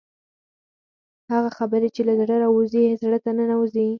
هغه خبرې چې له زړه راوځي زړه ته ننوځي.